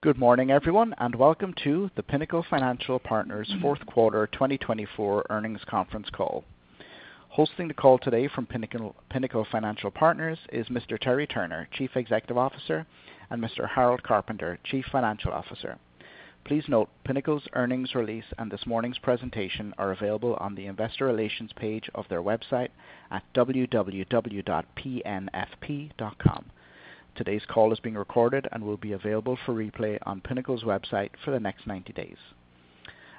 Good morning, everyone, and welcome to the Pinnacle Financial Partners Fourth Quarter 2024 Earnings Conference Call. Hosting the call today from Pinnacle Financial Partners is Mr. Terry Turner, Chief Executive Officer, and Mr. Harold Carpenter, Chief Financial Officer. Please note Pinnacle's earnings release and this morning's presentation are available on the Investor Relations page of their website at www.pnfp.com. Today's call is being recorded and will be available for replay on Pinnacle's website for the next 90 days.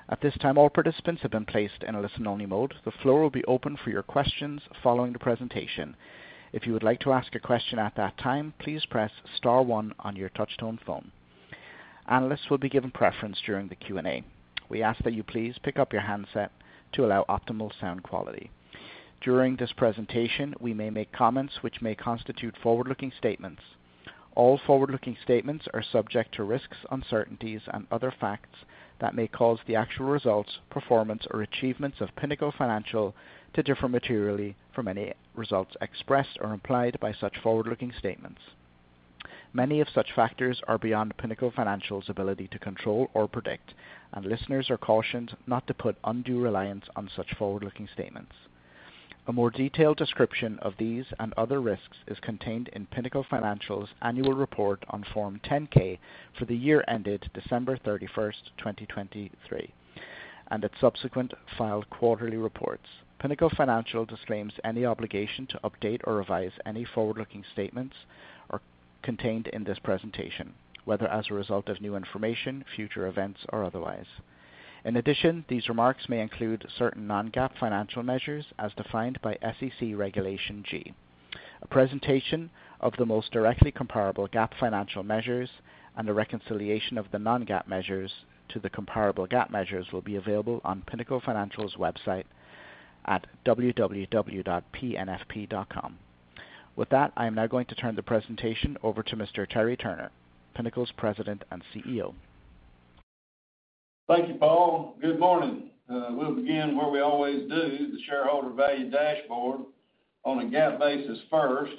At this time, all participants have been placed in a listen-only mode. The floor will be open for your questions following the presentation. If you would like to ask a question at that time, please press star one on your touch-tone phone. Analysts will be given preference during the Q&A. We ask that you please pick up your handset to allow optimal sound quality. During this presentation, we may make comments which may constitute forward-looking statements. All forward-looking statements are subject to risks, uncertainties, and other facts that may cause the actual results, performance, or achievements of Pinnacle Financial to differ materially from any results expressed or implied by such forward-looking statements. Many of such factors are beyond Pinnacle Financial's ability to control or predict, and listeners are cautioned not to put undue reliance on such forward-looking statements. A more detailed description of these and other risks is contained in Pinnacle Financial's annual report on Form 10-K for the year ended December 31st, 2023, and its subsequent filed quarterly reports. Pinnacle Financial disclaims any obligation to update or revise any forward-looking statements contained in this presentation, whether as a result of new information, future events, or otherwise. In addition, these remarks may include certain non-GAAP financial measures as defined by SEC Regulation G. A presentation of the most directly comparable GAAP financial measures and a reconciliation of the non-GAAP measures to the comparable GAAP measures will be available on Pinnacle Financial's website at www.pnfp.com. With that, I am now going to turn the presentation over to Mr. Terry Turner, Pinnacle's President and CEO. Thank you, Paul. Good morning. We'll begin where we always do, the Shareholder Value Dashboard on a GAAP basis first,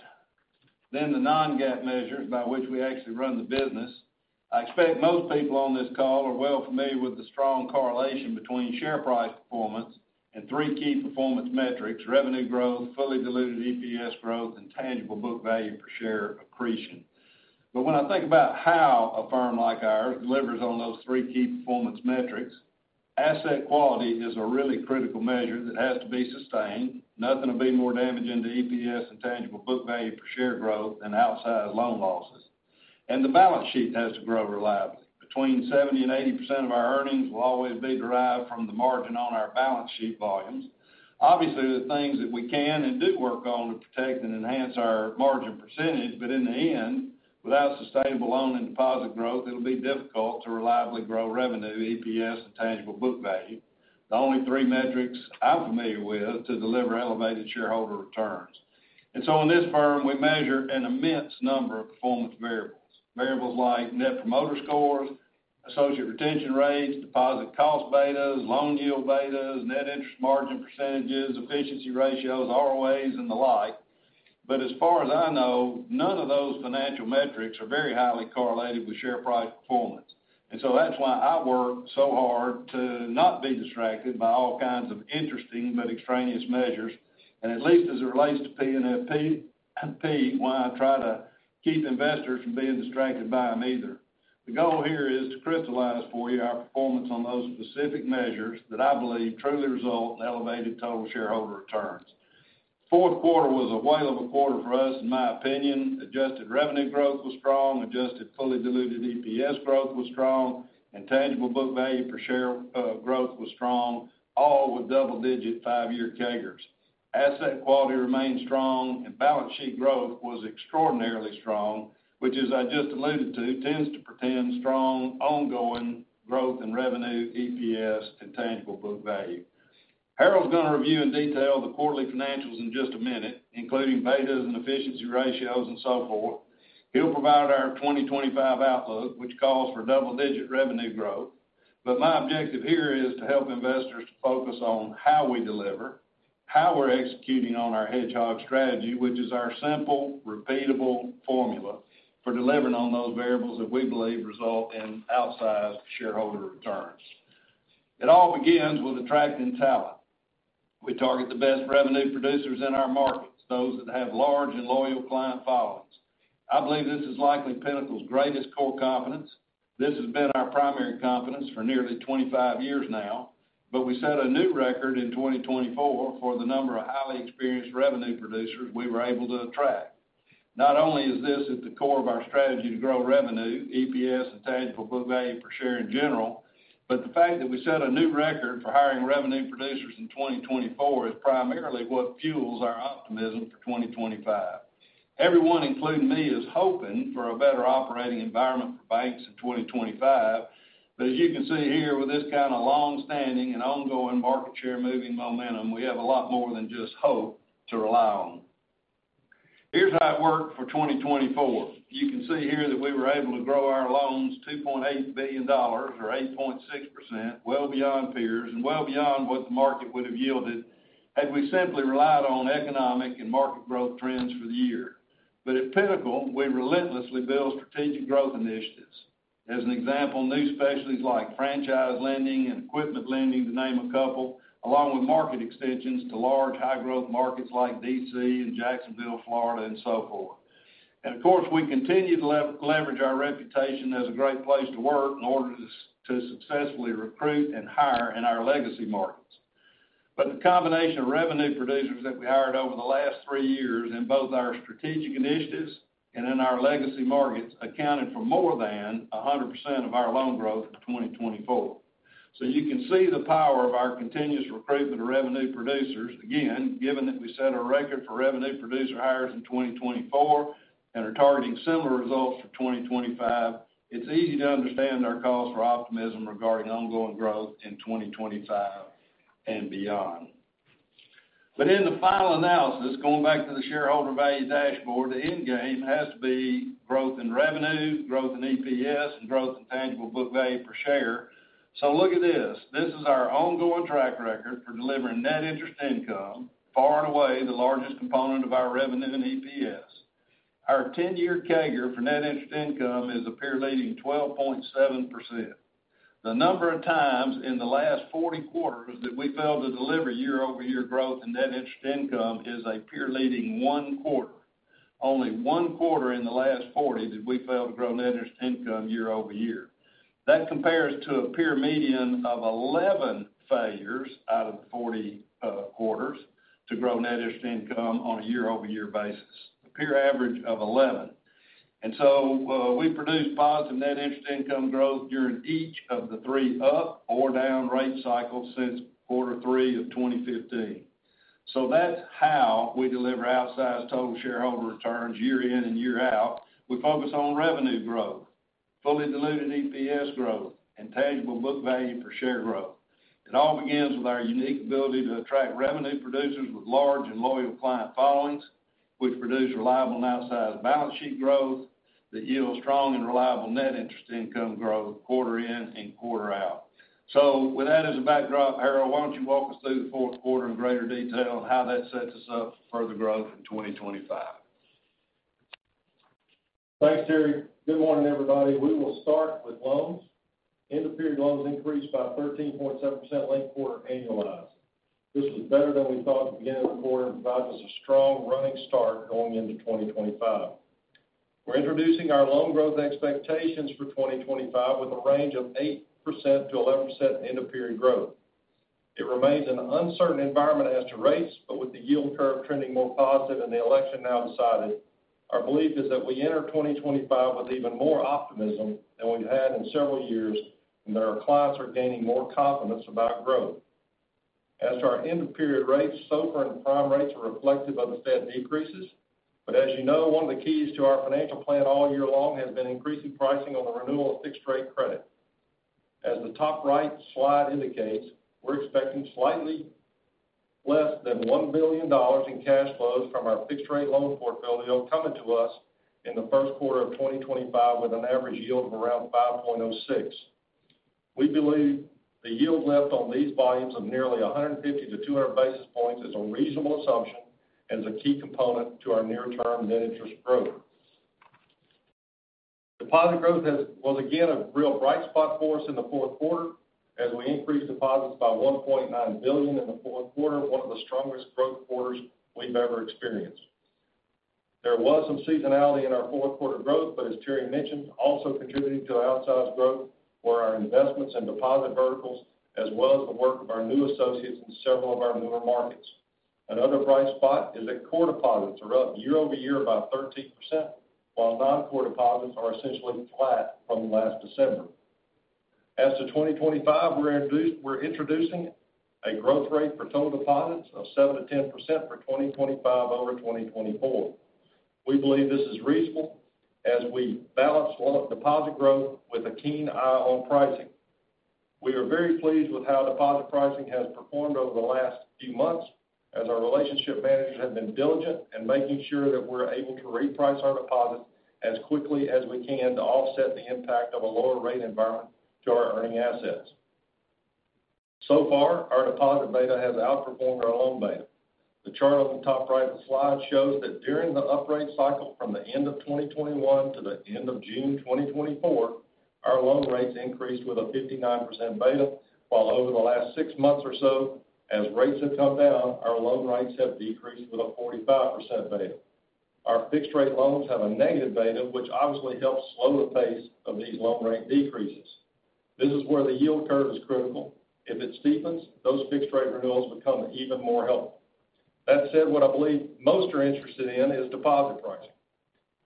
then the non-GAAP measures by which we actually run the business. I expect most people on this call are well familiar with the strong correlation between share price performance and three key performance metrics: revenue growth, fully diluted EPS growth, and tangible book value per share accretion. But when I think about how a firm like ours delivers on those three key performance metrics, asset quality is a really critical measure that has to be sustained. Nothing will be more damaging to EPS and tangible book value per share growth than outsized loan losses. And the balance sheet has to grow reliably. Between 70% and 80% of our earnings will always be derived from the margin on our balance sheet volumes. Obviously, there are things that we can and do work on to protect and enhance our margin percentage, but in the end, without sustainable loan and deposit growth, it'll be difficult to reliably grow revenue, EPS, and tangible book value, the only three metrics I'm familiar with to deliver elevated shareholder returns. And so in this firm, we measure an immense number of performance variables, variables like Net Promoter Scores, associate retention rates, deposit cost betas, loan yield betas, net interest margin percentages, efficiency ratios, ROAs, and the like. But as far as I know, none of those financial metrics are very highly correlated with share price performance. And so that's why I work so hard to not be distracted by all kinds of interesting but extraneous measures, and at least as it relates to PNFP, when I try to keep investors from being distracted by them either. The goal here is to crystallize for you our performance on those specific measures that I believe truly result in elevated total shareholder returns. Fourth quarter was a whale of a quarter for us, in my opinion. Adjusted revenue growth was strong. Adjusted fully diluted EPS growth was strong. And tangible book value per share growth was strong, all with double-digit five-year CAGRs. Asset quality remained strong, and balance sheet growth was extraordinarily strong, which, as I just alluded to, tends to portend strong ongoing growth in revenue, EPS, and tangible book value. Harold's going to review in detail the quarterly financials in just a minute, including betas and efficiency ratios and so forth. He'll provide our 2025 outlook, which calls for double-digit revenue growth. But my objective here is to help investors to focus on how we deliver, how we're executing on our hedgehog strategy, which is our simple, repeatable formula for delivering on those variables that we believe result in outsized shareholder returns. It all begins with attracting talent. We target the best revenue producers in our markets, those that have large and loyal client followings. I believe this is likely Pinnacle's greatest core competence. This has been our primary competence for nearly 25 years now, but we set a new record in 2024 for the number of highly experienced revenue producers we were able to attract. Not only is this at the core of our strategy to grow revenue, EPS, and tangible book value per share in general, but the fact that we set a new record for hiring revenue producers in 2024 is primarily what fuels our optimism for 2025. Everyone, including me, is hoping for a better operating environment for banks in 2025, but as you can see here, with this kind of long-standing and ongoing market share moving momentum, we have a lot more than just hope to rely on. Here's how it worked for 2024. You can see here that we were able to grow our loans $2.8 billion, or 8.6%, well beyond peers and well beyond what the market would have yielded had we simply relied on economic and market growth trends for the year. But at Pinnacle, we relentlessly build strategic growth initiatives. As an example, new specialties like franchise lending and equipment lending, to name a couple, along with market extensions to large, high-growth markets like D.C. and Jacksonville, Florida, and so forth. Of course, we continue to leverage our reputation as a great place to work in order to successfully recruit and hire in our legacy markets. But the combination of revenue producers that we hired over the last three years in both our strategic initiatives and in our legacy markets accounted for more than 100% of our loan growth in 2024. So you can see the power of our continuous recruitment of revenue producers. Again, given that we set a record for revenue producer hires in 2024 and are targeting similar results for 2025, it's easy to understand our calls for optimism regarding ongoing growth in 2025 and beyond. But in the final analysis, going back to the shareholder value dashboard, the end game has to be growth in revenue, growth in EPS, and growth in tangible book value per share. So look at this. This is our ongoing track record for delivering net interest income, far and away the largest component of our revenue and EPS. Our 10-year CAGR for net interest income is a peer-leading 12.7%. The number of times in the last 40 quarters that we failed to deliver year-over-year growth in net interest income is a peer-leading one quarter. Only one quarter in the last 40 that we failed to grow net interest income year-over-year. That compares to a peer median of 11 failures out of the 40 quarters to grow net interest income on a year-over-year basis, a peer average of 11. And so we produced positive net interest income growth during each of the three up or down rate cycles since quarter three of 2015. So that's how we deliver outsized total shareholder returns year in and year out. We focus on revenue growth, fully diluted EPS growth, and tangible book value per share growth. It all begins with our unique ability to attract revenue producers with large and loyal client followings, which produce reliable and outsized balance sheet growth that yield strong and reliable net interest income growth quarter in and quarter out. With that as a backdrop, Harold, why don't you walk us through the fourth quarter in greater detail and how that sets us up for further growth in 2025? Thanks, Terry. Good morning, everybody. We will start with loans. End-of-period loans increased by 13.7% linked quarter annualized. This was better than we thought at the beginning of the quarter and provided us a strong running start going into 2025. We're introducing our loan growth expectations for 2025 with a range of 8% to 11% end-of-period growth. It remains an uncertain environment as to rates, but with the yield curve trending more positive and the election now decided, our belief is that we enter 2025 with even more optimism than we've had in several years, and that our clients are gaining more confidence about growth. As to our end-of-period rates, SOFR and prime rates are reflective of the Fed decreases. But as you know, one of the keys to our financial plan all year long has been increasing pricing on the renewal of fixed-rate credit. As the top right slide indicates, we're expecting slightly less than $1 billion in cash flows from our fixed-rate loan portfolio coming to us in the first quarter of 2025 with an average yield of around 5.06%. We believe the yield left on these volumes of nearly 150-200 basis points is a reasonable assumption as a key component to our near-term net interest growth. Deposit growth was again a real bright spot for us in the fourth quarter as we increased deposits by $1.9 billion in the fourth quarter, one of the strongest growth quarters we've ever experienced. There was some seasonality in our fourth quarter growth, but as Terry mentioned, also contributing to the outsized growth were our investments in deposit verticals as well as the work of our new associates in several of our newer markets. Another bright spot is that core deposits are up year-over-year by 13%, while non-core deposits are essentially flat from last December. As to 2025, we're introducing a growth rate for total deposits of 7%-10% for 2025 over 2024. We believe this is reasonable as we balance deposit growth with a keen eye on pricing. We are very pleased with how deposit pricing has performed over the last few months as our relationship managers have been diligent in making sure that we're able to reprice our deposits as quickly as we can to offset the impact of a lower rate environment to our earning assets. So far, our deposit beta has outperformed our loan beta. The chart on the top right of the slide shows that during the upgrade cycle from the end of 2021 to the end of June 2024, our loan rates increased with a 59% beta, while over the last six months or so, as rates have come down, our loan rates have decreased with a 45% beta. Our fixed-rate loans have a negative beta, which obviously helps slow the pace of these loan rate decreases. This is where the yield curve is critical. If it steepens, those fixed-rate renewals become even more helpful. That said, what I believe most are interested in is deposit pricing.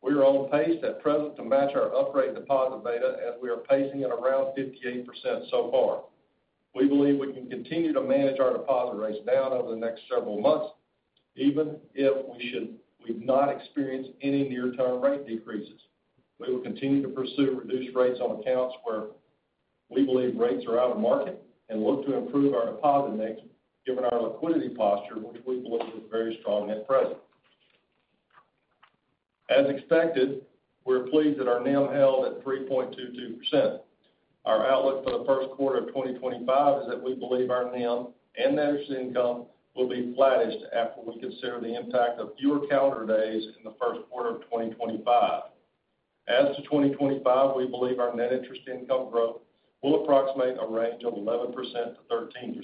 We are on pace at present to match our upgrade deposit beta as we are pacing at around 58% so far. We believe we can continue to manage our deposit rates down over the next several months, even if we should not experience any near-term rate decreases. We will continue to pursue reduced rates on accounts where we believe rates are out of market and look to improve our deposit mix given our liquidity posture, which we believe is very strong at present. As expected, we're pleased that our NIM held at 3.22%. Our outlook for the first quarter of 2025 is that we believe our NIM and net interest income will be flattish after we consider the impact of fewer calendar days in the first quarter of 2025. As to 2025, we believe our net interest income growth will approximate a range of 11% to 13%.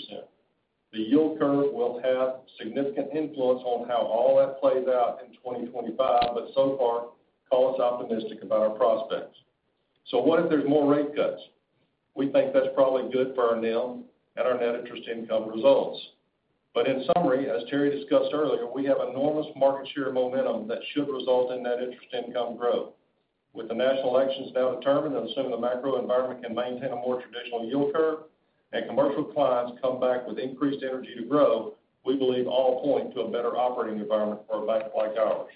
The yield curve will have significant influence on how all that plays out in 2025, but so far, call us optimistic about our prospects. So what if there's more rate cuts? We think that's probably good for our NIM and our net interest income results. But in summary, as Terry discussed earlier, we have enormous market share momentum that should result in net interest income growth. With the national elections now determined and assuming the macro environment can maintain a more traditional yield curve and commercial clients come back with increased energy to grow, we believe all point to a better operating environment for a bank like ours.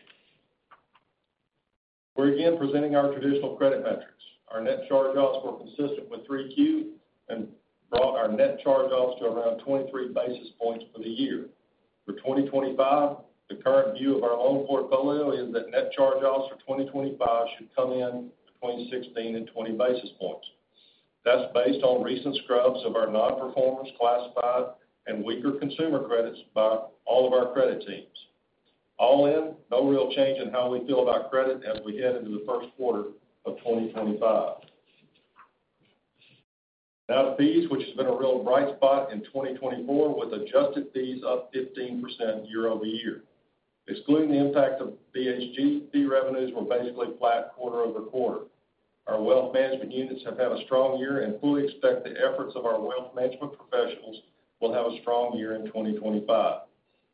We're again presenting our traditional credit metrics. Our net charge-offs were consistent with 3Q and brought our net charge-offs to around 23 basis points for the year. For 2025, the current view of our loan portfolio is that net charge-offs for 2025 should come in between 16 and 20 basis points. That's based on recent scrubs of our non-performance classified and weaker consumer credits by all of our credit teams. All in, no real change in how we feel about credit as we head into the first quarter of 2025. Now to fees, which has been a real bright spot in 2024 with adjusted fees up 15% year-over-year. Excluding the impact of BHG, fee revenues were basically flat quarter over quarter. Our wealth management units have had a strong year and fully expect the efforts of our wealth management professionals will have a strong year in 2025.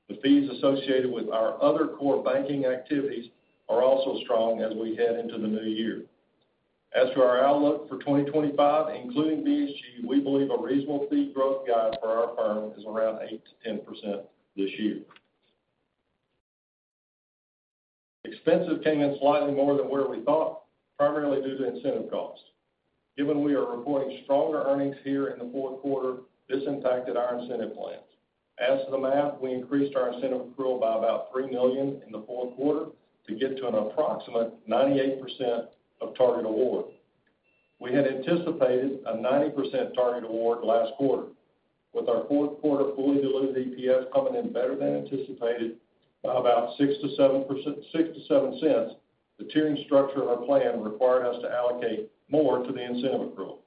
The fees associated with our other core banking activities are also strong as we head into the new year. As to our outlook for 2025, including BHG, we believe a reasonable fee growth guide for our firm is around 8%-10% this year. Expenses came in slightly more than where we thought, primarily due to incentive costs. Given we are reporting stronger earnings here in the fourth quarter, this impacted our incentive plans. As to the math, we increased our incentive accrual by about $3 million in the fourth quarter to get to an approximate 98% of target award. We had anticipated a 90% target award last quarter. With our fourth quarter fully diluted EPS coming in better than anticipated by about $0.06-$0.07, the tiering structure of our plan required us to allocate more to the incentive accrual.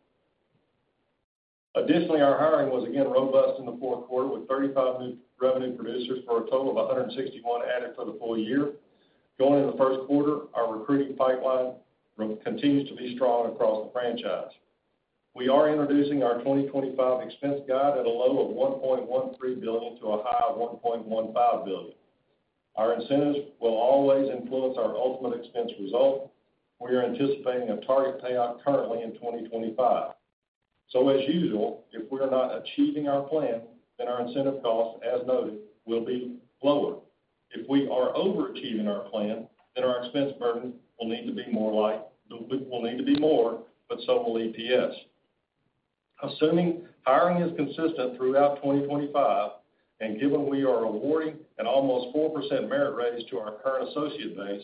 Additionally, our hiring was again robust in the fourth quarter with 35 new revenue producers for a total of 161 added for the full year. Going into the first quarter, our recruiting pipeline continues to be strong across the franchise. We are introducing our 2025 expense guide at a low of $1.13 billion-$1.15 billion. Our incentives will always influence our ultimate expense result. We are anticipating a target payout currently in 2025. So as usual, if we are not achieving our plan, then our incentive costs, as noted, will be lower. If we are overachieving our plan, then our expense burden will need to be more, but so will EPS. Assuming hiring is consistent throughout 2025, and given we are awarding an almost 4% merit raise to our current associate base,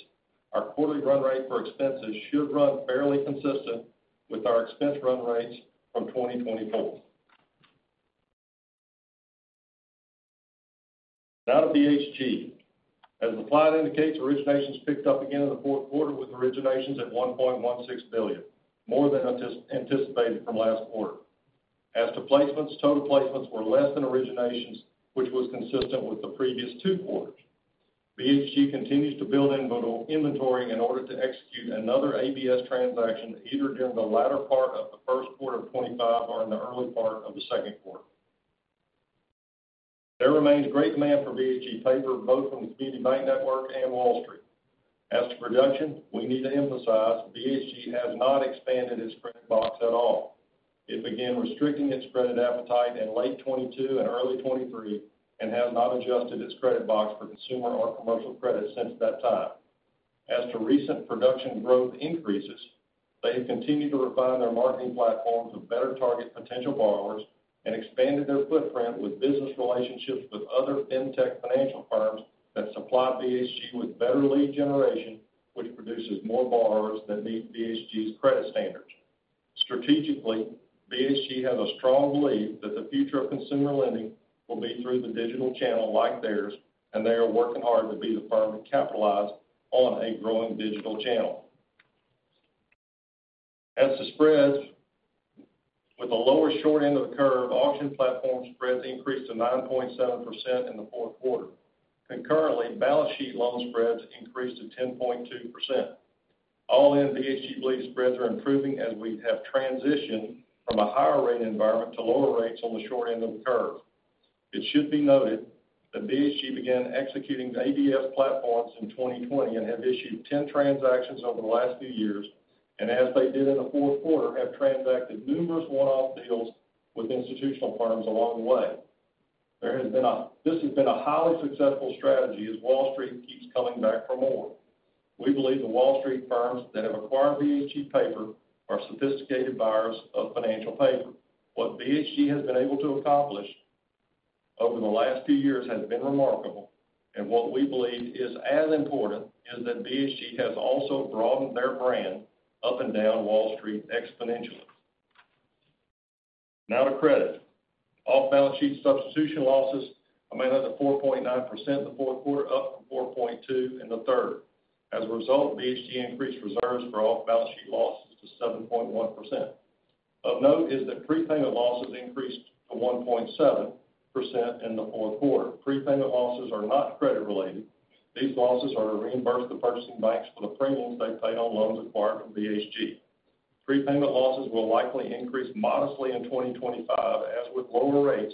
our quarterly run rate for expenses should run fairly consistent with our expense run rates from 2024. Now to BHG. As the slide indicates, originations picked up again in the fourth quarter with originations at $1.16 billion, more than anticipated from last quarter. As to placements, total placements were less than originations, which was consistent with the previous two quarters. BHG continues to build inventory in order to execute another ABS transaction either during the latter part of the first quarter of 2025 or in the early part of the second quarter. There remains great demand for BHG paper, both from the Community Bank Network and Wall Street. As to production, we need to emphasize BHG has not expanded its credit box at all. It began restricting its credit appetite in late 2022 and early 2023 and has not adjusted its credit box for consumer or commercial credit since that time. As to recent production growth increases, they have continued to refine their marketing platform to better target potential borrowers and expanded their footprint with business relationships with other fintech financial firms that supply BHG with better lead generation, which produces more borrowers that meet BHG's credit standards. Strategically, BHG has a strong belief that the future of consumer lending will be through the digital channel like theirs, and they are working hard to be the firm to capitalize on a growing digital channel. As to spreads, with a lower short end of the curve, auction platform spreads increased to 9.7% in the fourth quarter. Concurrently, balance sheet loan spreads increased to 10.2%. All in, BHG believes spreads are improving as we have transitioned from a higher rate environment to lower rates on the short end of the curve. It should be noted that BHG began executing ABS platforms in 2020 and have issued 10 transactions over the last few years, and as they did in the fourth quarter, have transacted numerous one-off deals with institutional firms along the way. This has been a highly successful strategy as Wall Street keeps coming back for more. We believe the Wall Street firms that have acquired BHG paper are sophisticated buyers of financial paper. What BHG has been able to accomplish over the last few years has been remarkable, and what we believe is as important is that BHG has also broadened their brand up and down Wall Street exponentially. Now to credit. Off-balance sheet substitution losses amounted to 4.9% the fourth quarter, up from 4.2% in the third. As a result, BHG increased reserves for off-balance sheet losses to 7.1%. Of note is that prepayment losses increased to 1.7% in the fourth quarter. Prepayment losses are not credit-related. These losses are to reimburse the purchasing banks for the premiums they paid on loans acquired from BHG. Prepayment losses will likely increase modestly in 2025. As with lower rates,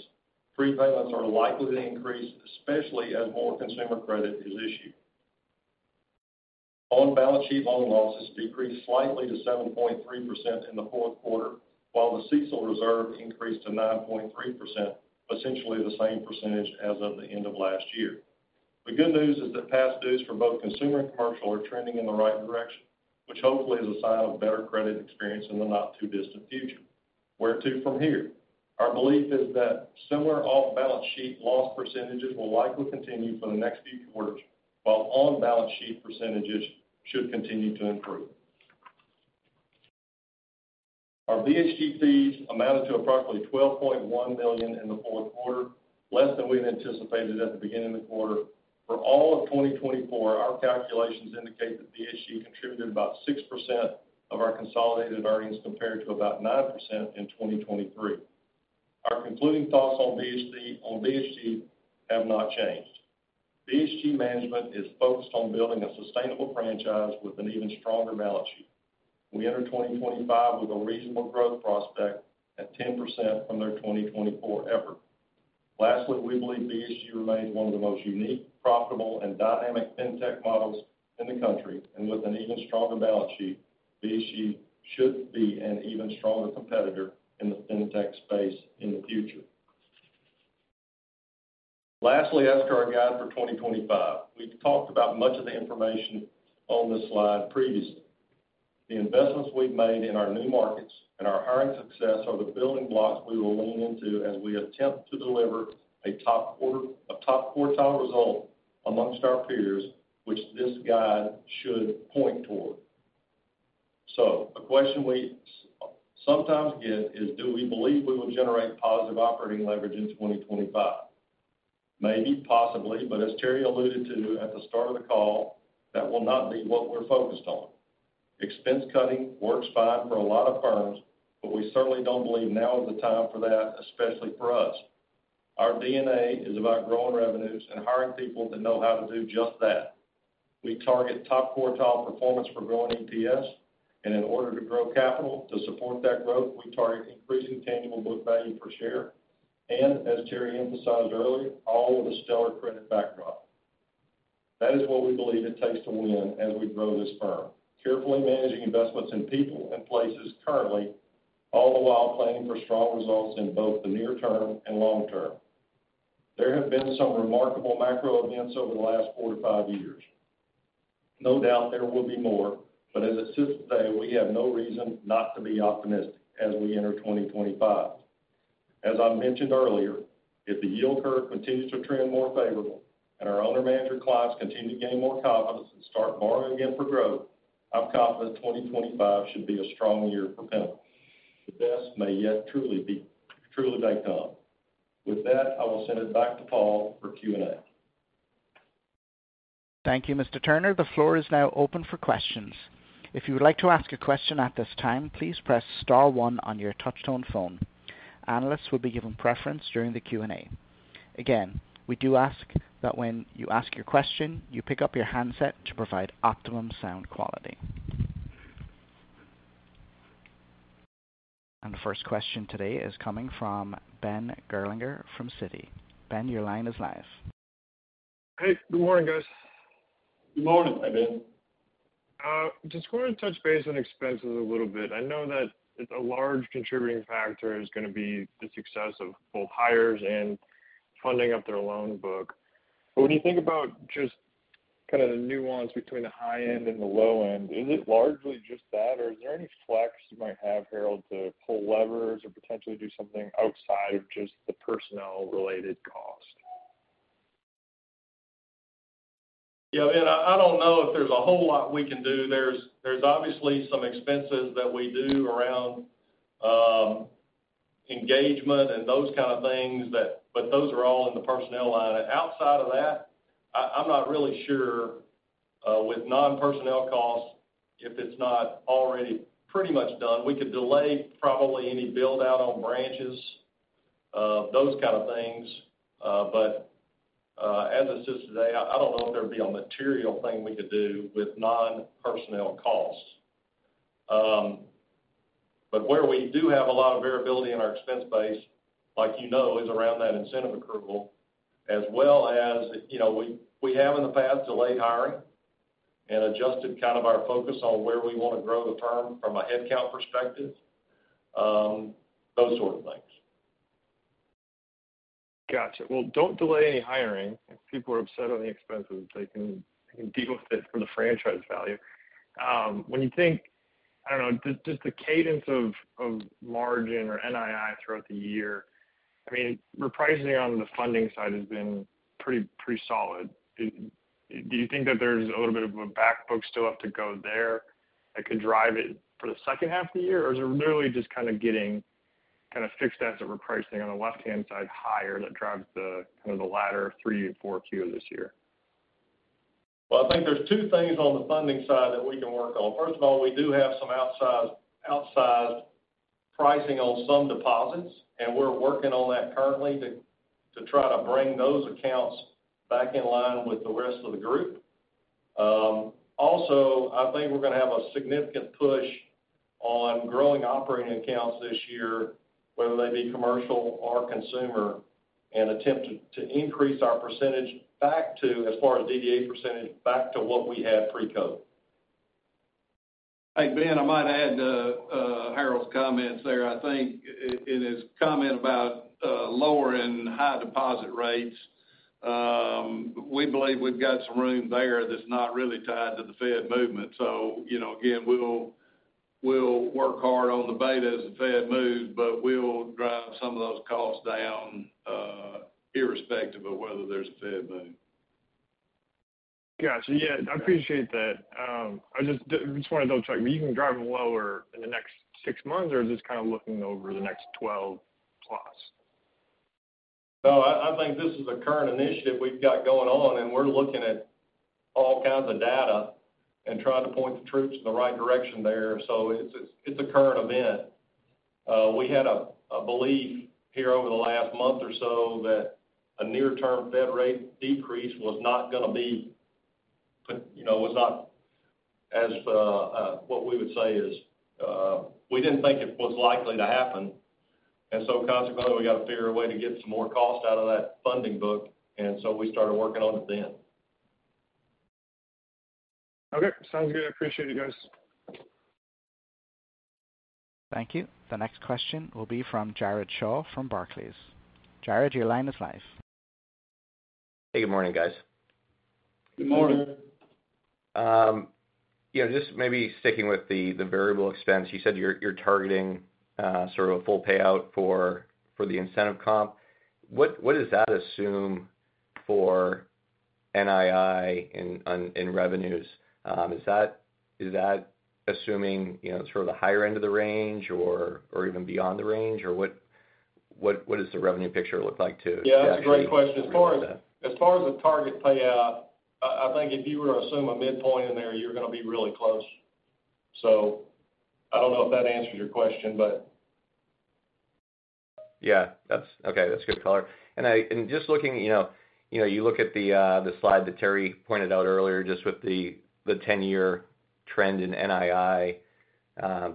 prepayments are likely to increase, especially as more consumer credit is issued. On-balance sheet loan losses decreased slightly to 7.3% in the fourth quarter, while the CECL reserve increased to 9.3%, essentially the same percentage as of the end of last year. The good news is that past dues for both consumer and commercial are trending in the right direction, which hopefully is a sign of better credit experience in the not-too-distant future. Where to from here? Our belief is that similar off-balance sheet loss percentages will likely continue for the next few quarters, while on-balance sheet percentages should continue to improve. Our BHG fees amounted to approximately $12.1 million in the fourth quarter, less than we had anticipated at the beginning of the quarter. For all of 2024, our calculations indicate that BHG contributed about 6% of our consolidated earnings compared to about 9% in 2023. Our concluding thoughts on BHG have not changed. BHG management is focused on building a sustainable franchise with an even stronger balance sheet. We enter 2025 with a reasonable growth prospect at 10% from their 2024 effort. Lastly, we believe BHG remains one of the most unique, profitable, and dynamic fintech models in the country, and with an even stronger balance sheet, BHG should be an even stronger competitor in the fintech space in the future. Lastly, as to our guide for 2025, we've talked about much of the information on this slide previously. The investments we've made in our new markets and our hiring success are the building blocks we will lean into as we attempt to deliver a top quartile result amongst our peers, which this guide should point toward. So a question we sometimes get is, do we believe we will generate positive operating leverage in 2025? Maybe, possibly, but as Terry alluded to at the start of the call, that will not be what we're focused on. Expense cutting works fine for a lot of firms, but we certainly don't believe now is the time for that, especially for us. Our DNA is about growing revenues and hiring people that know how to do just that. We target top quartile performance for growing EPS, and in order to grow capital to support that growth, we target increasing tangible book value per share, and as Terry emphasized earlier, all with a stellar credit backdrop. That is what we believe it takes to win as we grow this firm, carefully managing investments in people and places currently, all the while planning for strong results in both the near term and long term. There have been some remarkable macro events over the last four to five years. No doubt there will be more, but as it sits today, we have no reason not to be optimistic as we enter 2025. As I mentioned earlier, if the yield curve continues to trend more favorable and our owner-manager clients continue to gain more confidence and start borrowing again for growth, I'm confident 2025 should be a strong year for Pinnacle. The best may yet truly be yet to come. With that, I will send it back to Paul for Q&A. Thank you, Mr. Turner. The floor is now open for questions. If you would like to ask a question at this time, please press star one on your touch-tone phone. Analysts will be given preference during the Q&A. Again, we do ask that when you ask your question, you pick up your handset to provide optimum sound quality. The first question today is coming from Ben Gerlinger from Citi. Ben, your line is live. Hey, good morning, guys. Good morning, my bad. Just wanted to touch base on expenses a little bit. I know that a large contributing factor is going to be the success of both hires and funding up their loan book. But when you think about just kind of the nuance between the high end and the low end, is it largely just that, or is there any flex you might have, Harold, to pull levers or potentially do something outside of just the personnel-related cost? Yeah, man, I don't know if there's a whole lot we can do. There's obviously some expenses that we do around engagement and those kind of things, but those are all in the personnel line. Outside of that, I'm not really sure with non-personnel costs, if it's not already pretty much done. We could delay probably any build-out on branches, those kind of things. But as it sits today, I don't know if there'd be a material thing we could do with non-personnel costs. But where we do have a lot of variability in our expense base, like you know, is around that incentive accrual, as well as we have in the past delayed hiring and adjusted kind of our focus on where we want to grow the firm from a headcount perspective, those sort of things. Gotcha. Well, don't delay any hiring. If people are upset on the expenses, they can deal with it from the franchise value. When you think, I don't know, just the cadence of margin or NII throughout the year, I mean, repricing on the funding side has been pretty solid. Do you think that there's a little bit of a backbook still up to go there that could drive it for the second half of the year, or is it literally just kind of getting kind of fixed as a repricing on the left-hand side higher that drives the kind of the latter three and four Q of this year? Well, I think there's two things on the funding side that we can work on. First of all, we do have some outsized pricing on some deposits, and we're working on that currently to try to bring those accounts back in line with the rest of the group. Also, I think we're going to have a significant push on growing operating accounts this year, whether they be commercial or consumer, and attempt to increase our percentage back to, as far as DDA percentage, back to what we had pre-COVID. Hey, Ben, I might add Harold's comments there. I think in his comment about lower and high deposit rates, we believe we've got some room there that's not really tied to the Fed movement, so again, we'll work hard on the beta as the Fed moves, but we'll drive some of those costs down irrespective of whether there's a Fed move. Gotcha. Yeah, I appreciate that. I just wanted to double-check. Are you going to drive them lower in the next six months, or is this kind of looking over the next 12 plus? No, I think this is a current initiative we've got going on, and we're looking at all kinds of data and trying to point the troops in the right direction there, so it's a current event. We had a belief here over the last month or so that a near-term Fed rate decrease was not going to be as what we would say is. We didn't think it was likely to happen, and so consequently, we got to figure a way to get some more cost out of that funding book, and so we started working on it then. Okay. Sounds good. Appreciate it, guys. Thank you. The next question will be from Jared Shaw from Barclays. Jared, your line is live. Hey, good morning, guys. Good morning. Good morning. Just maybe sticking with the variable expense, you said you're targeting sort of a full payout for the incentive comp. What does that assume for NII in revenues? Is that assuming sort of the higher end of the range or even beyond the range, or what does the revenue picture look like to? Yeah, that's a great question. As far as a target payout, I think if you were to assume a midpoint in there, you're going to be really close. So I don't know if that answers your question, but. Yeah. Okay. That's good color. And just looking, you look at the slide that Terry pointed out earlier just with the 10-year trend in NII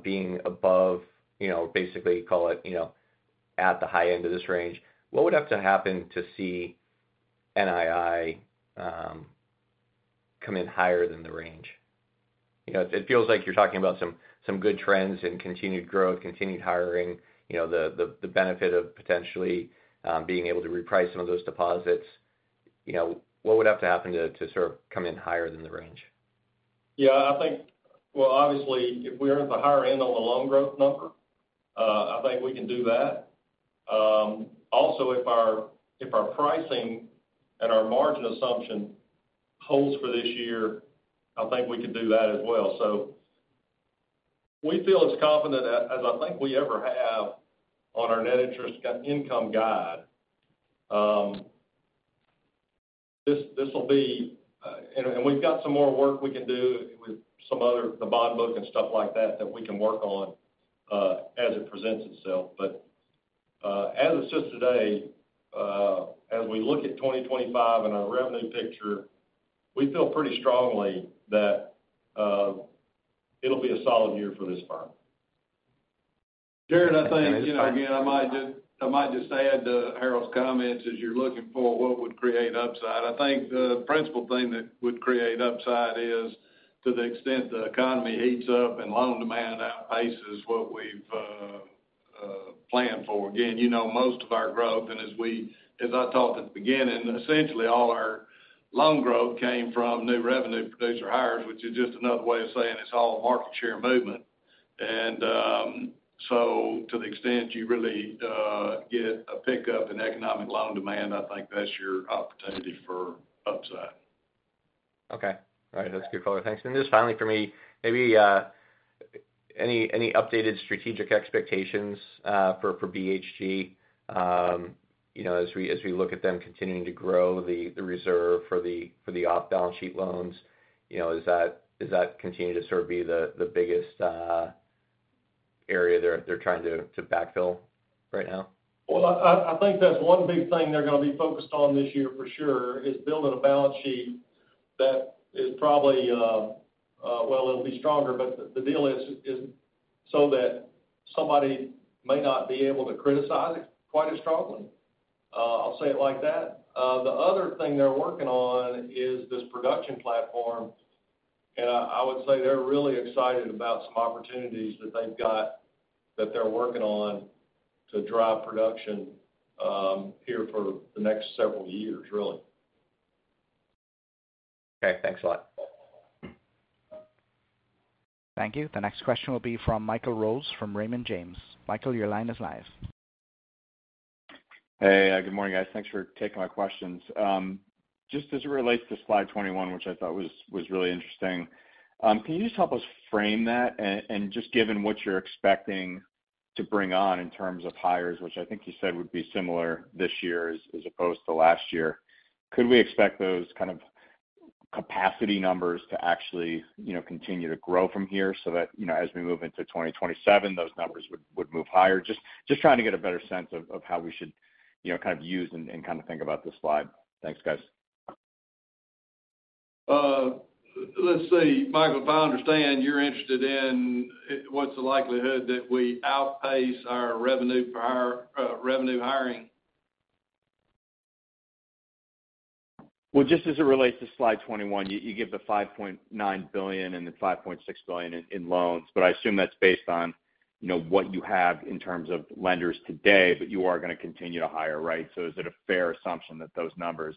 being above, basically call it at the high end of this range. What would have to happen to see NII come in higher than the range? It feels like you're talking about some good trends in continued growth, continued hiring, the benefit of potentially being able to reprice some of those deposits. What would have to happen to sort of come in higher than the range? Yeah. Well, obviously, if we're at the higher end on the loan growth number, I think we can do that. Also, if our pricing and our margin assumption holds for this year, I think we could do that as well. So we feel as confident as I think we ever have on our net interest income guide. This will be, and we've got some more work we can do with some other bond book and stuff like that that we can work on as it presents itself. But as it sits today, as we look at 2025 and our revenue picture, we feel pretty strongly that it'll be a solid year for this firm. Jared, I think, again, I might just add to Harold's comments as you're looking for what would create upside. I think the principal thing that would create upside is to the extent the economy heats up and loan demand outpaces what we've planned for. Again, most of our growth, and as I talked at the beginning, essentially all our loan growth came from new revenue producer hires, which is just another way of saying it's all market share movement. And so to the extent you really get a pickup in economic loan demand, I think that's your opportunity for upside. Okay. All right. That's good color. Thanks. And just finally for me, maybe any updated strategic expectations for BHG as we look at them continuing to grow the reserve for the off-balance sheet loans? Is that continuing to sort of be the biggest area they're trying to backfill right now? Well, I think that's one big thing they're going to be focused on this year for sure, is building a balance sheet that is probably, well, it'll be stronger, but the deal is so that somebody may not be able to criticize it quite as strongly. I'll say it like that. The other thing they're working on is this production platform, and I would say they're really excited about some opportunities that they've got that they're working on to drive production here for the next several years, really. Okay. Thanks a lot. Thank you. The next question will be from Michael Rose from Raymond James. Michael, your line is live. Hey, good morning, guys. Thanks for taking my questions. Just as it relates to slide 21, which I thought was really interesting, can you just help us frame that? And just given what you're expecting to bring on in terms of hires, which I think you said would be similar this year as opposed to last year, could we expect those kind of capacity numbers to actually continue to grow from here so that as we move into 2027, those numbers would move higher? Just trying to get a better sense of how we should kind of use and kind of think about this slide. Thanks, guys. Let's see. Michael, if I understand, you're interested in what's the likelihood that we outpace our revenue hiring? Well, just as it relates to slide 21, you give the $5.9 billion and the $5.6 billion in loans, but I assume that's based on what you have in terms of lenders today, but you are going to continue to hire, right? So is it a fair assumption that those numbers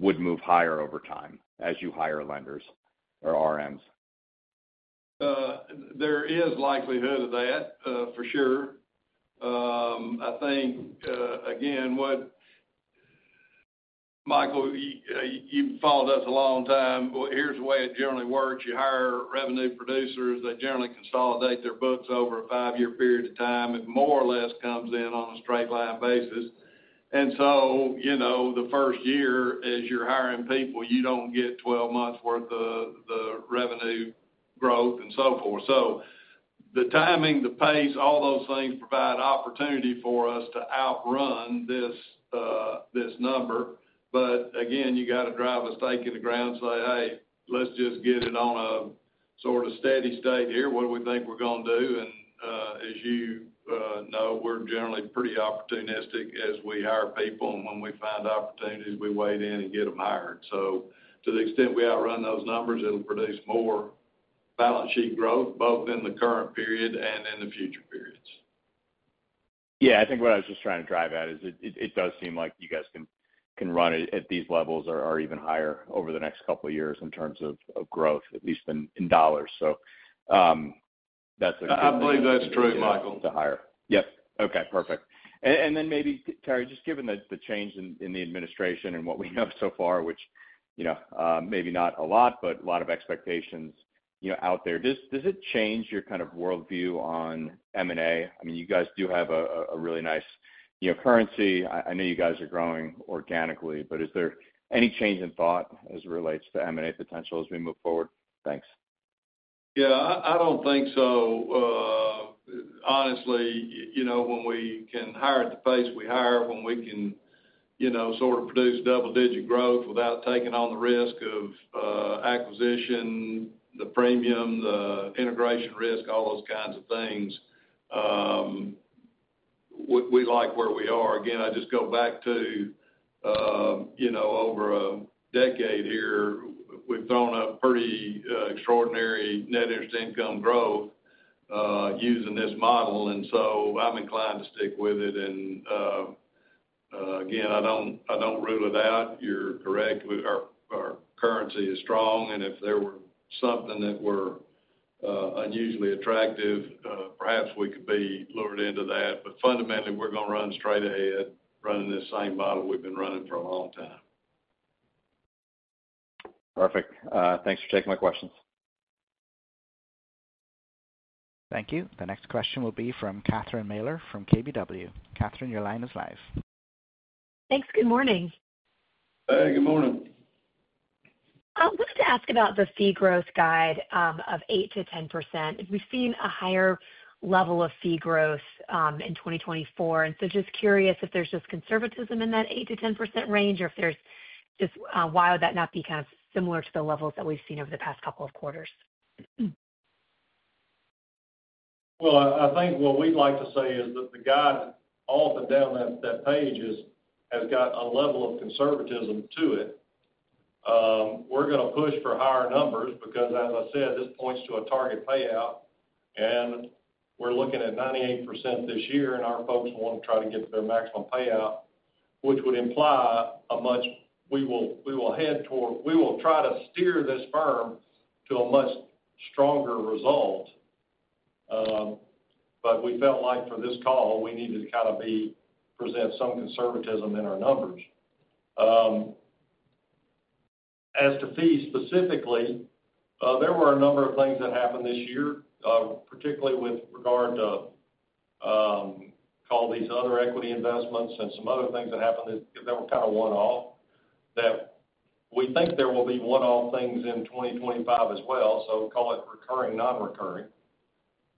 would move higher over time as you hire lenders or RMs? There is likelihood of that, for sure. I think, again, Michael, you've followed us a long time. Well, here's the way it generally works. You hire revenue producers. They generally consolidate their books over a five-year period of time. It more or less comes in on a straight line basis. And so the first year, as you're hiring people, you don't get 12 months' worth of the revenue growth and so forth. So the timing, the pace, all those things provide opportunity for us to outrun this number. But again, you got to drive a stake in the ground and say, "Hey, let's just get it on a sort of steady state here. “What do we think we're going to do?” And as you know, we're generally pretty opportunistic as we hire people, and when we find opportunities, we weigh in and get them hired. So to the extent we outrun those numbers, it'll produce more balance sheet growth, both in the current period and in the future periods. Yeah. I think what I was just trying to drive at is it does seem like you guys can run it at these levels or even higher over the next couple of years in terms of growth, at least in dollars. So that's a good thing. I believe that's true, Michael. To hire. Yep. Okay. Perfect. And then maybe, Terry, just given the change in the administration and what we know so far, which maybe not a lot, but a lot of expectations out there, does it change your kind of worldview on M&A? I mean, you guys do have a really nice currency. I know you guys are growing organically, but is there any change in thought as it relates to M&A potential as we move forward? Thanks. Yeah. I don't think so. Honestly, when we can hire at the pace we hire, when we can sort of produce double-digit growth without taking on the risk of acquisition, the premium, the integration risk, all those kinds of things, we like where we are. Again, I just go back to over a decade here, we've thrown up pretty extraordinary net interest income growth using this model, and so I'm inclined to stick with it, and again, I don't rule it out. You're correct. Our currency is strong, and if there were something that were unusually attractive, perhaps we could be lured into that. But fundamentally, we're going to run straight ahead, running this same model we've been running for a long time. Perfect. Thanks for taking my questions. Thank you. The next question will be from Catherine Mealor from KBW. Catherine, your line is live. Thanks. Good morning. Hey, good morning. I wanted to ask about the fee growth guide of 8%-10%. We've seen a higher level of fee growth in 2024. And so just curious if there's just conservatism in that 8%-10% range or if there's just why would that not be kind of similar to the levels that we've seen over the past couple of quarters? Well, I think what we'd like to say is that the guide all the way down that page has got a level of conservatism to it. We're going to push for higher numbers because, as I said, this points to a target payout. We're looking at 98% this year, and our folks want to try to get their maximum payout, which would imply a much stronger result. We will try to steer this firm to a much stronger result. We felt like for this call, we needed to kind of present some conservatism in our numbers. As to fees specifically, there were a number of things that happened this year, particularly with regard to, call these other equity investments and some other things that happened that were kind of one-off. We think there will be one-off things in 2025 as well, so call it recurring, non-recurring.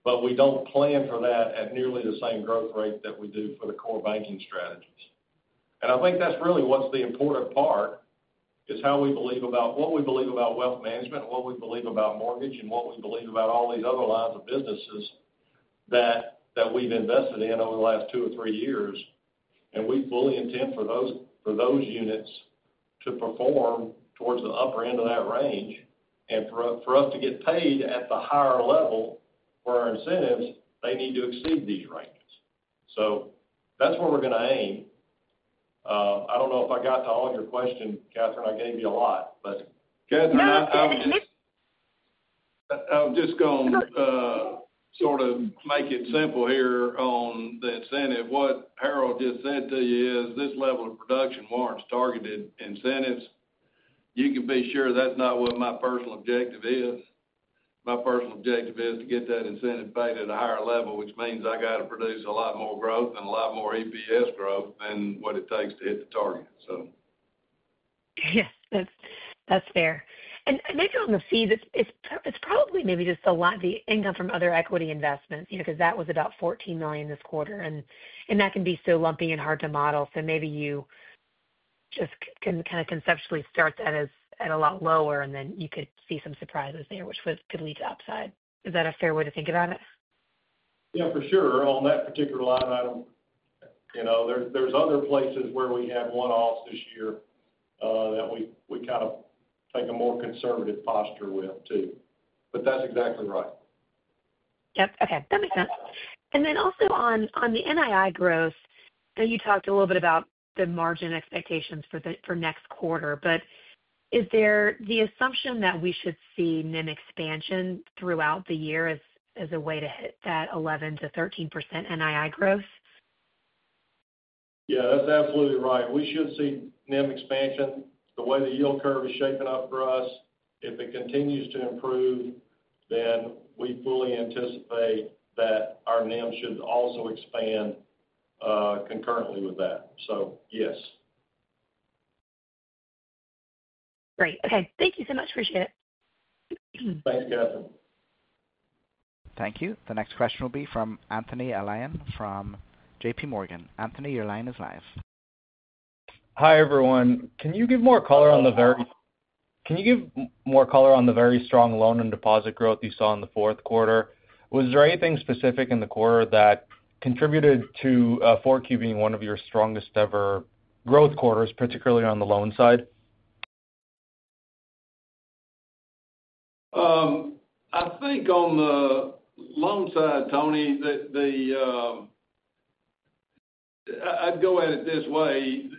We don't plan for that at nearly the same growth rate that we do for the core banking strategies. And I think that's really what's the important part, is how we believe about what we believe about wealth management, what we believe about mortgage, and what we believe about all these other lines of businesses that we've invested in over the last two or three years. And we fully intend for those units to perform towards the upper end of that range. And for us to get paid at the higher level for our incentives, they need to exceed these ranges. So that's where we're going to aim. I don't know if I got to all your questions, Catherine. I gave you a lot, but. Catherine, I'm just going to sort of make it simple here on the incentive. What Harold just said to you is this level of production warrants targeted incentives. You can be sure that's not what my personal objective is. My personal objective is to get that incentive paid at a higher level, which means I got to produce a lot more growth and a lot more EPS growth than what it takes to hit the target, so. Yes. That's fair. And maybe on the fees, it's probably maybe just a lot of the income from other equity investments because that was about $14 million this quarter. And that can be so lumpy and hard to model. So maybe you just can kind of conceptually start that at a lot lower, and then you could see some surprises there, which could lead to upside. Is that a fair way to think about it? Yeah, for sure. On that particular line, I don't. There's other places where we have one-offs this year that we kind of take a more conservative posture with too. But that's exactly right. Yep. Okay. That makes sense. And then also on the NII growth, I know you talked a little bit about the margin expectations for next quarter, but is there the assumption that we should see NIM expansion throughout the year as a way to hit that 11%-13% NII growth? Yeah. That's absolutely right. We should see NIM expansion the way the yield curve is shaping up for us. If it continues to improve, then we fully anticipate that our NIM should also expand concurrently with that. So yes. Great. Okay. Thank you so much. Appreciate it. Thanks, Catherine. Thank you. The next question will be from Anthony Elian from J.P. Morgan. Anthony, your line is live. Hi everyone. Can you give more color on the very strong loan and deposit growth you saw in the fourth quarter? Was there anything specific in the quarter that contributed to 4Q being one of your strongest-ever growth quarters, particularly on the loan side? I think on the loan side, Tony, I'd go at it this way.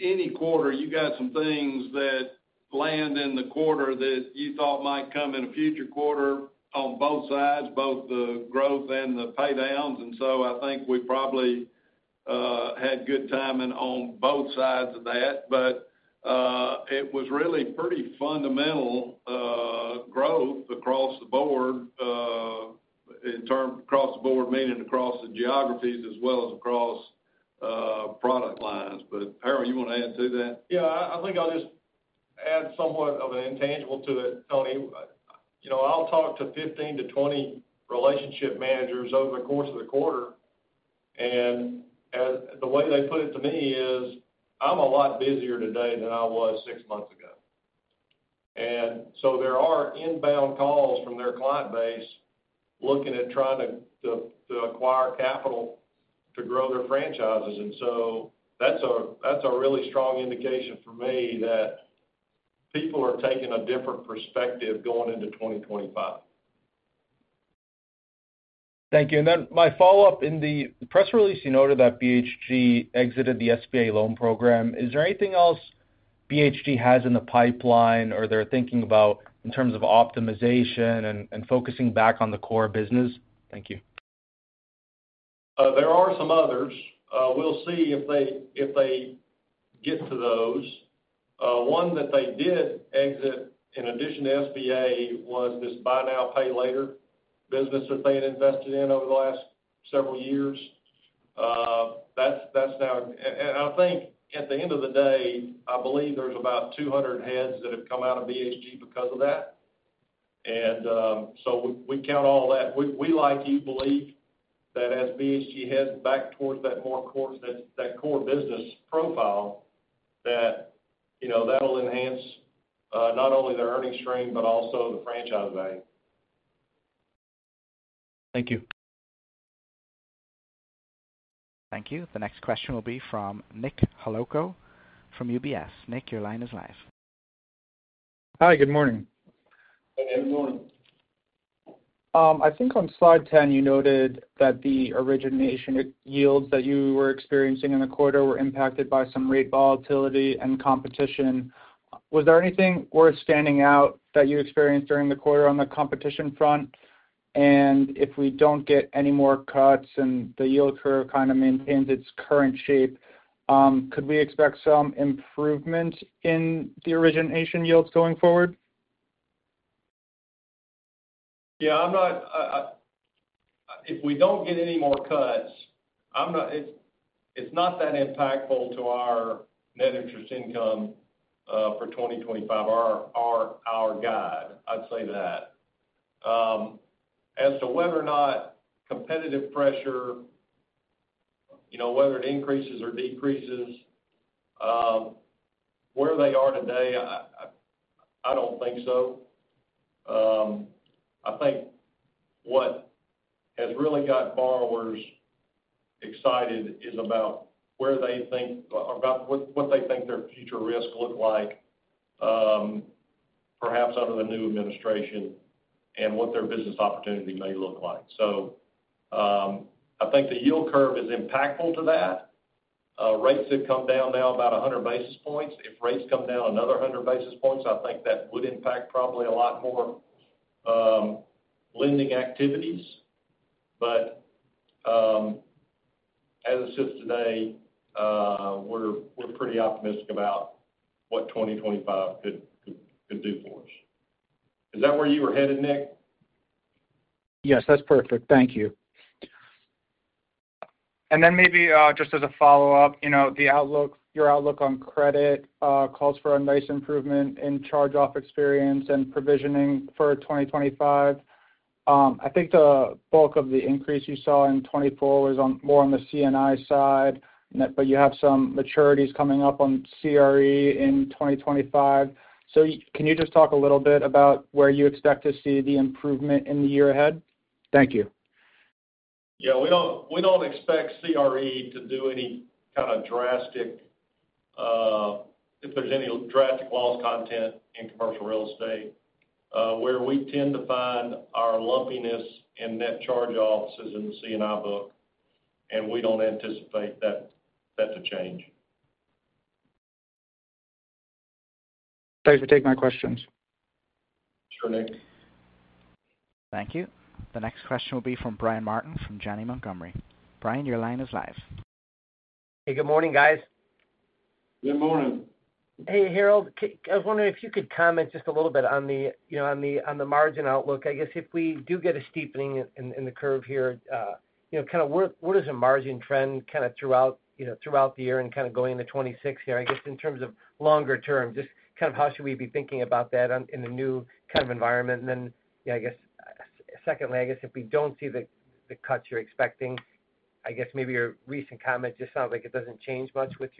Any quarter, you got some things that land in the quarter that you thought might come in a future quarter on both sides, both the growth and the paydowns. And so I think we probably had good timing on both sides of that. But it was really pretty fundamental growth across the board in terms across the board, meaning across the geographies as well as across product lines. But Harold, you want to add to that? Yeah. I think I'll just add somewhat of an intangible to it, Tony. I'll talk to 15-20 relationship managers over the course of the quarter. The way they put it to me is, "I'm a lot busier today than I was six months ago." And so there are inbound calls from their client base looking at trying to acquire capital to grow their franchises. And so that's a really strong indication for me that people are taking a different perspective going into 2025. Thank you. And then my follow-up: in the press release you noted that BHG exited the SBA loan program. Is there anything else BHG has in the pipeline or they're thinking about in terms of optimization and focusing back on the core business? Thank you. There are some others. We'll see if they get to those. One that they did exit in addition to SBA was this buy now, pay later business that they had invested in over the last several years. I think at the end of the day, I believe there's about 200 heads that have come out of BHG because of that. And so we count all that. We like you believe that as BHG heads back towards that core business profile, that'll enhance not only their earnings stream but also the franchise value. Thank you. Thank you. The next question will be from Nick Halko from UBS. Nick, your line is live. Hi. Good morning. Hey, good morning. I think on slide 10, you noted that the origination yields that you were experiencing in the quarter were impacted by some rate volatility and competition. Was there anything worth standing out that you experienced during the quarter on the competition front? And if we don't get any more cuts and the yield curve kind of maintains its current shape, could we expect some improvement in the origination yields going forward? Yeah. If we don't get any more cuts, it's not that impactful to our net interest income for 2025, our guide. I'd say that. As to whether or not competitive pressure, whether it increases or decreases, where they are today, I don't think so. I think what has really got borrowers excited is about where they think or about what they think their future risk looks like, perhaps under the new administration, and what their business opportunity may look like. So I think the yield curve is impactful to that. Rates have come down now about 100 basis points. If rates come down another 100 basis points, I think that would impact probably a lot more lending activities. But as it sits today, we're pretty optimistic about what 2025 could do for us. Is that where you were headed, Nick? Yes. That's perfect. Thank you. And then maybe just as a follow-up, your outlook on credit calls for a nice improvement in charge-off experience and provisioning for 2025. I think the bulk of the increase you saw in 2024 was more on the C&I side, but you have some maturities coming up on CRE in 2025. So can you just talk a little bit about where you expect to see the improvement in the year ahead? Thank you. Yeah. We don't expect CRE to do any kind of drastic if there's any drastic loss content in commercial real estate, where we tend to find our lumpiness in net charge-offs is in the CNI book, and we don't anticipate that to change. Thanks for taking my questions. Sure, Nick. Thank you. The next question will be from Brian Martin from Janney Montgomery Scott. Brian, your line is live. Hey, good morning, guys. Good morning. Hey, Harold. I was wondering if you could comment just a little bit on the margin outlook. I guess if we do get a steepening in the curve here, kind of where does a margin trend kind of throughout the year and kind of going into 2026 here, I guess in terms of longer term, just kind of how should we be thinking about that in the new kind of environment? And then I guess secondly, I guess if we don't see the cuts you're expecting, I guess maybe your recent comment just sounds like it doesn't change much with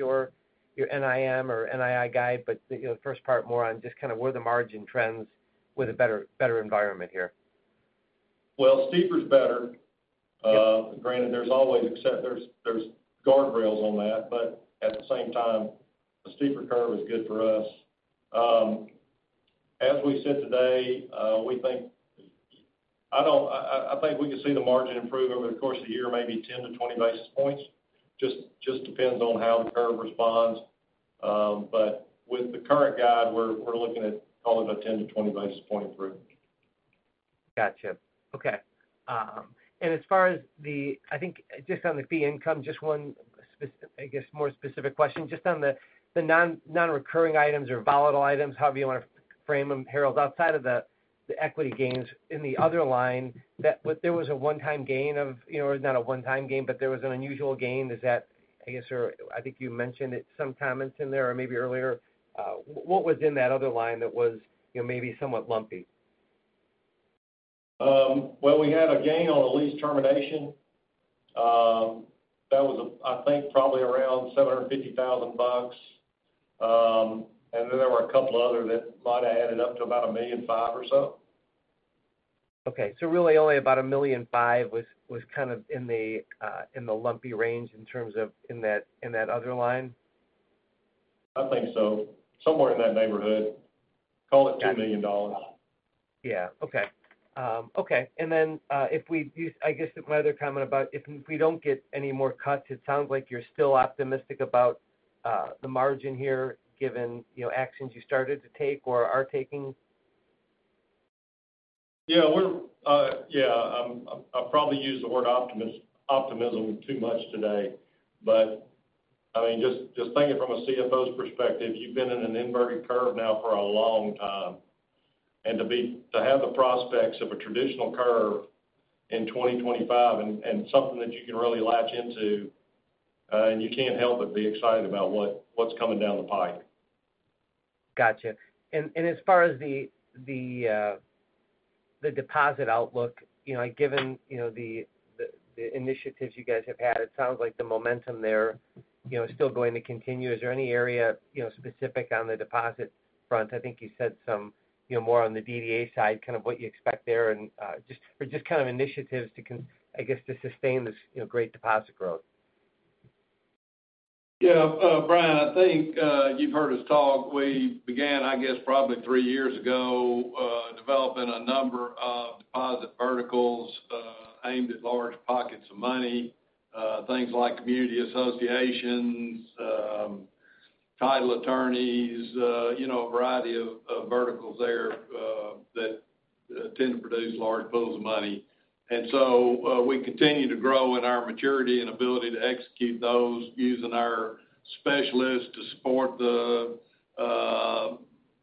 your NIM or NII guide, but the first part more on just kind of where the margin trends with a better environment here. Well, steeper's better. Granted, there's always except there's guardrails on that. But at the same time, a steeper curve is good for us. As we sit today, we think I think we can see the margin improve over the course of the year, maybe 10-20 basis points. Just depends on how the curve responds. But with the current guide, we're looking at calling it a 10-20 basis point improvement. Gotcha. Okay. And as far as the I think just on the fee income, just one, I guess, more specific question. Just on the non-recurring items or volatile items, however you want to frame them, Harold, outside of the equity gains, in the other line, there was a one-time gain of or not a one-time gain, but there was an unusual gain. Is that, I guess, or I think you mentioned it some comments in there or maybe earlier. What was in that other line that was maybe somewhat lumpy? Well, we had a gain on the lease termination. That was, I think, probably around $750,000. And then there were a couple of other that might have added up to about $1.5 million or so. Okay. So really only about $1.5 million was kind of in the lumpy range in terms of in that other line? I think so. Somewhere in that neighborhood. Call it $2 million. Yeah. Okay. Okay. And then if we do, I guess my other comment about if we don't get any more cuts, it sounds like you're still optimistic about the margin here given actions you started to take or are taking. Yeah. Yeah. I probably used the word optimism too much today. But I mean, just thinking from a CFO's perspective, you've been in an inverted curve now for a long time. And to have the prospects of a traditional curve in 2025 and something that you can really latch into, and you can't help but be excited about what's coming down the pike. Gotcha. And as far as the deposit outlook, given the initiatives you guys have had, it sounds like the momentum there is still going to continue. Is there any area specific on the deposit front? I think you said some more on the DDA side, kind of what you expect there or just kind of initiatives, I guess, to sustain this great deposit growth. Yeah. Brian, I think you've heard us talk. We began, I guess, probably three years ago, developing a number of deposit verticals aimed at large pockets of money, things like community associations, title attorneys, a variety of verticals there that tend to produce large pools of money. And so we continue to grow in our maturity and ability to execute those using our specialists to support the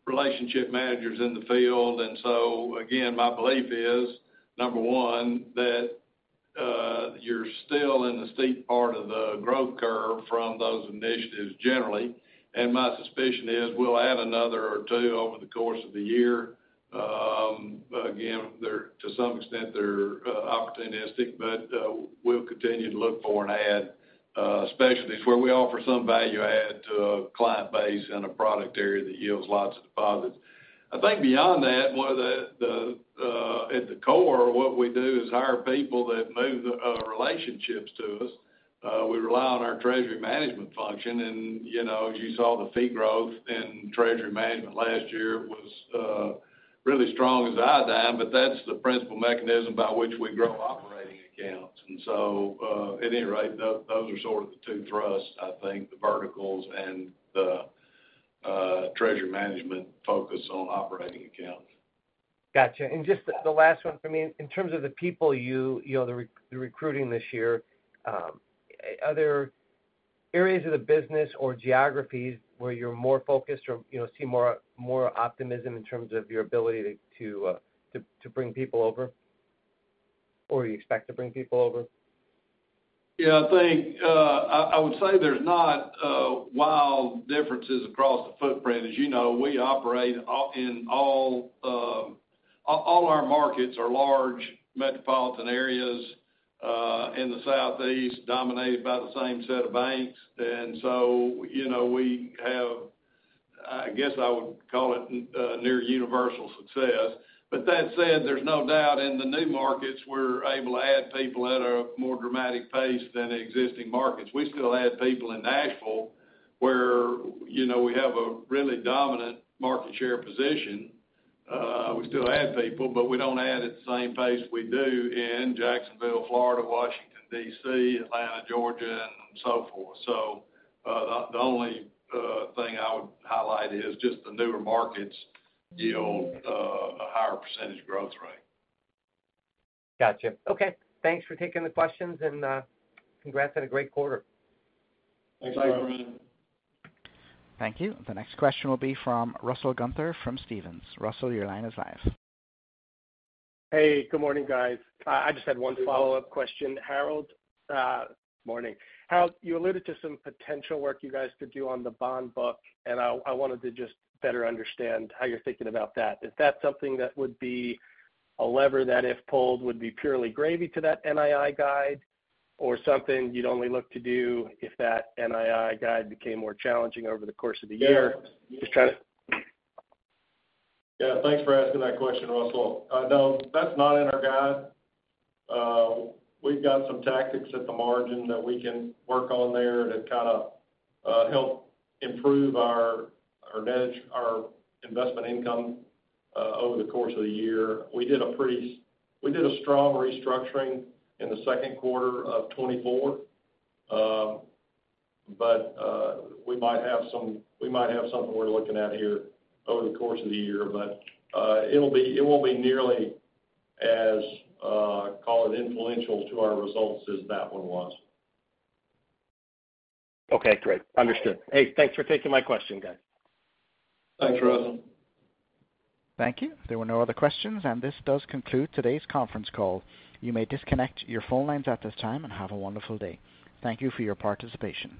relationship managers in the field. And so again, my belief is, number one, that you're still in the steep part of the growth curve from those initiatives generally. And my suspicion is we'll add another or two over the course of the year. Again, to some extent, they're opportunistic, but we'll continue to look for and add specialties where we offer some value-add to a client base and a product area that yields lots of deposits. I think beyond that, at the core, what we do is hire people that move relationships to us. We rely on our treasury management function. And as you saw, the fee growth in treasury management last year was really strong as I said, but that's the principal mechanism by which we grow operating accounts. And so at any rate, those are sort of the two thrusts, I think, the verticals and the treasury management focus on operating accounts. Gotcha. And just the last one for me. In terms of the people you'll be recruiting this year, are there areas of the business or geographies where you're more focused or see more optimism in terms of your ability to bring people over or you expect to bring people over? Yeah. I think I would say there's not wild differences across the footprint. As you know, we operate in all our markets are large metropolitan areas in the Southeast dominated by the same set of banks, and so we have, I guess I would call it near universal success. But that said, there's no doubt in the new markets, we're able to add people at a more dramatic pace than existing markets. We still add people in Nashville where we have a really dominant market share position. We still add people, but we don't add at the same pace we do in Jacksonville, Florida, Washington, D.C., Atlanta, Georgia, and so forth. So the only thing I would highlight is just the newer markets yield a higher percentage growth rate. Gotcha. Okay. Thanks for taking the questions and congrats on a great quarter. Thanks, everyone. Thank you. The next question will be from Russell Gunther from Stephens. Russell, your line is live. Hey, good morning, guys. I just had one follow-up question, Harold. Good morning. Harold, you alluded to some potential work you guys could do on the bond book, and I wanted to just better understand how you're thinking about that. Is that something that would be a lever that if pulled would be purely gravy to that NII guide or something you'd only look to do if that NII guide became more challenging over the course of the year? Just trying to. Yeah. Thanks for asking that question, Russell. No, that's not in our guide. We've got some tactics at the margin that we can work on there to kind of help improve our investment income over the course of the year. We did a pretty strong restructuring in the second quarter of 2024, but we might have something we're looking at here over the course of the year. But it won't be nearly as, call it, influential to our results as that one was. Okay. Great. Understood. Hey, thanks for taking my question, guys. Thanks, Russell. Thank you. There were no other questions, and this does conclude today's conference call. You may disconnect your phone lines at this time and have a wonderful day. Thank you for your participation.